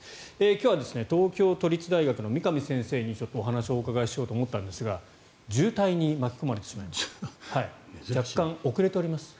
今日は東京都立大学の三上先生にお話を伺おうと思ったんですが渋滞に巻き込まれてしまいまして若干遅れております。